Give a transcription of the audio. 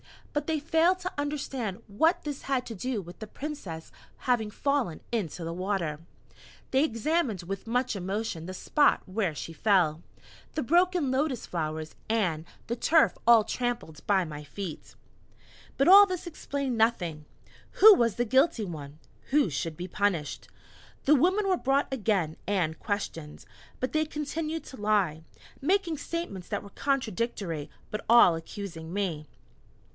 But they failed to understand what this had to do with the Princess having fallen into the water. They examined with much emotion the spot where she fell the broken lotus flowers, and the turf all trampled by my feet. [Illustration: PARVATI RAN TO HIM, LAUGHING AND QUITE RECOVERED] But all this explained nothing. Who was the guilty one? Who should be punished? The women were brought again and questioned. But they continued to lie, making statements that were contradictory, but all accusing me.